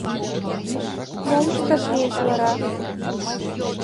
— Мом ышташ лийыч вара?